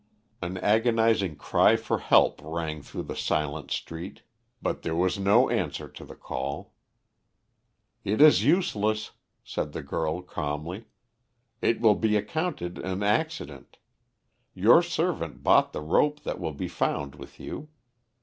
An agonising cry for help rang through the silent street, but there was no answer to the call. "It is useless," said the girl calmly. "It will be accounted an accident. Your servant bought the rope that will be found with you.